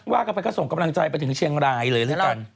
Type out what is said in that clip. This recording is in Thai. ว่ากันไปก็ส่งกำลังใจไปถึงเชียงรายเลยแล้วกัน